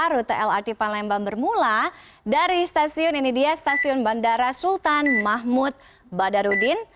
rute lrt palembang bermula dari stasiun ini dia stasiun bandara sultan mahmud badarudin